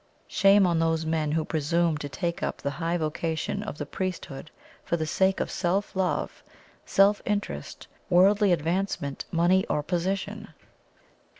Shame on those men who presume to take up the high vocation of the priesthood for the sake of self love, self interest, worldly advancement, money or position!